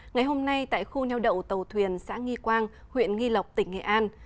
ngày hôm nay tại khu nheo đậu tàu thuyền xã nghi quang huyện nghi lộc tỉnh nghệ an